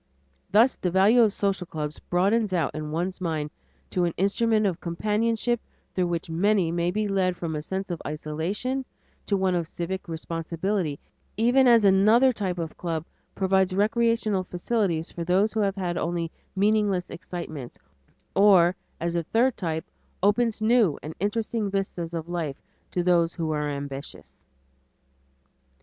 Thus the value of social clubs broadens out in one's mind to an instrument of companionship through which many may be led from a sense of isolation to one of civic responsibility, even as another type of club provides recreational facilities for those who have had only meaningless excitements, or, as a third type, opens new and interesting vistas of life to those who are ambitious.